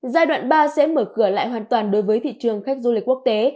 giai đoạn ba sẽ mở cửa lại hoàn toàn đối với thị trường khách du lịch quốc tế